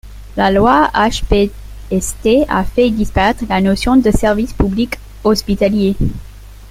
La loi HPST a fait disparaître la notion de service public hospitalier.